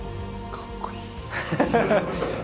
かっこいい。